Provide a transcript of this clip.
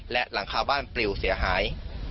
และหลังคาบ้านปลิวเสียหาย